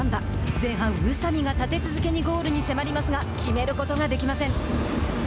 前半、宇佐美が立て続けにゴールに迫りますが決めることができません。